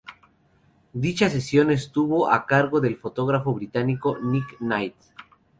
Dicha sesión estuvo a cargo del fotógrafo británico Nick Knight.